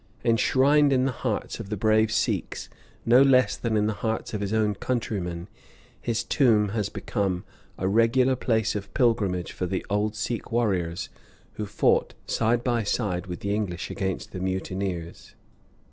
Enshrined in the hearts of the brave Sikhs no less than in the hearts of his own countrymen, his tomb has become a regular place of pilgrimage for the old Sikh warriors who fought side by side with the English against the mutineers.